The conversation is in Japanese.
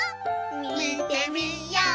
みてみよう！